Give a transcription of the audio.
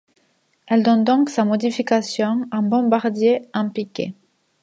On demande donc sa modification en bombardier en piqué.